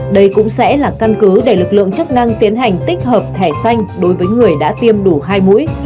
đây cũng sẽ là căn cứ để lực lượng chức năng tiến hành tích hợp thẻ xanh đối với người đã tiêm đủ hai mũi